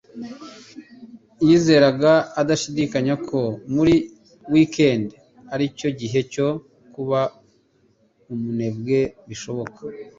Yizeraga adashidikanya ko muri wikendi aricyo gihe cyo kuba umunebwe bishoboka